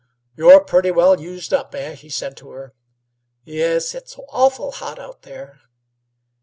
"You're purty well used up, eh?" he said to her. "Yes; it's awful hot out there."